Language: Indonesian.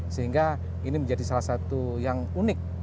sehingga ini menjadi salah satu yang unik